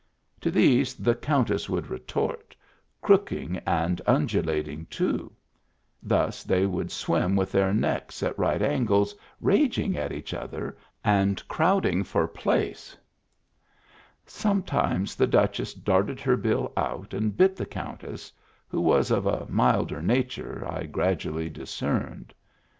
To these the Countess would retort, crooking and undulating too; thus they would swim with their necks at right angles, Digitized by Google THE DRAKE WHO HAD MEANS OF HIS OWN 295 raging at each other and crowding for place. Sometimes the Duchess darted her bill out and bit the Countess, who was of a milder nature, I gradually discerned.